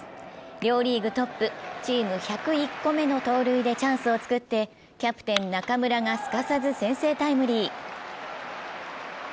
両リーグトップ、チーム１０１個目の盗塁でチャンスを作ってキャプテン・中村がすかさず先制タイムリー。